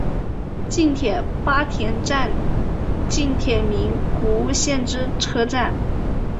近铁八田站近铁名古屋线之车站。